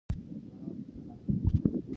دا هغه پنځه ځانګړنې وې،